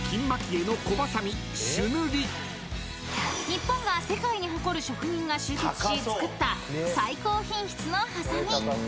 ［日本が世界に誇る職人が集結し作った最高品質のはさみ］